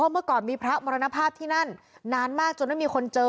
เมื่อก่อนมีพระมรณภาพที่นั่นนานมากจนไม่มีคนเจอ